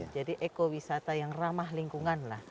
jadi ekowisata yang ramah lingkungan lah